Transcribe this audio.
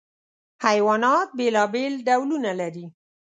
حیوانات بېلابېل ډولونه لري.